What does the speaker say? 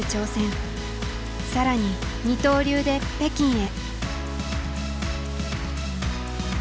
更に二刀流で北京へ。